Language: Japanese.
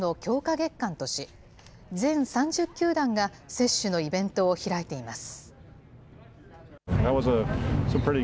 月間とし、全３０球団が接種のイベントを開いています。